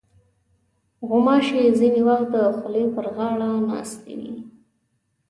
غوماشې ځینې وخت د خولې پر غاړه ناستې وي.